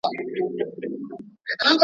ور شریک یې په زګېروي په اندېښنې سو.